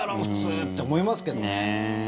普通って思いますけどね。